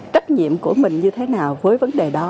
trách nhiệm của mình như thế nào với vấn đề đó